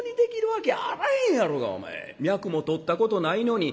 脈もとったことないのに」。